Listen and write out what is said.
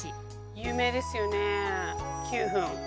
有名ですよね九。